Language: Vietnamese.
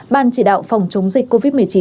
ban chỉ đạo phòng chống dịch covid một mươi chín